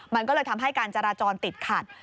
มันก็เลยทำให้การจราจรติดขัด